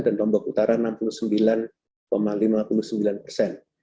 dan lombok utara enam puluh sembilan lima puluh sembilan persen